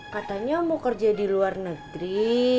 katanya mau kerja di luar negeri